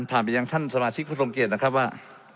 ไปยังท่านสมาชิกผู้ทรงเกียจนะครับว่า